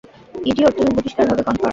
Idiot, তুমি বহিষ্কার হবে কনফার্ম।